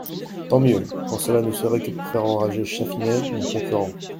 Tant mieux ! quand cela ne serait que pour faire enrager Chatfinet, mon concurrent.